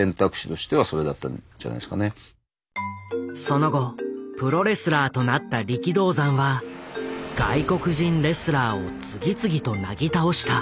その後プロレスラーとなった力道山は外国人レスラーを次々となぎ倒した。